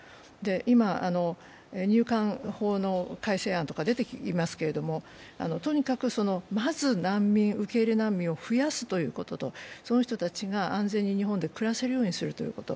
今、入管法の改正案とか出ていますけれどもとにかく、まず受け入れ難民を増やすということと、その人たちが安全に日本で暮らせるようにすること。